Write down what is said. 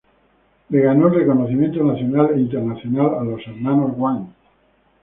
Le ganó el reconocimiento nacional e internacional a los hermanos Wan.